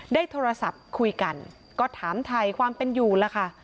ได้โทรศัพท์คุยกันก็ถามไทยความเป็นอยู่แล้วค่ะ